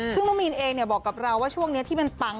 ซึ่งน้องมีนเองบอกกับเราว่าช่วงนี้ที่มันปัง